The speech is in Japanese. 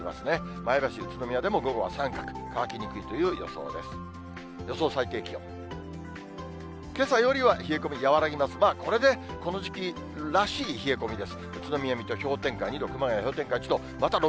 前橋、宇都宮でも午後は三角、乾きにくいという予想です。